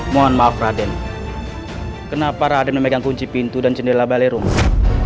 mohon maaf raden kenapa raden memegang kunci pintu dan jendela balero mas